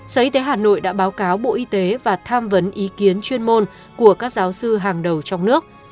sở y tế hà nội đã báo cáo bộ y tế và tham vấn ý kiến chuyên môn của các giáo sư hàng đầu trong nước